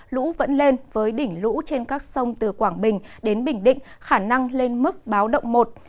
lũ vẫn lên với đỉnh lũ trên các sông từ quảng bình đến bình định khả năng lên mức báo động một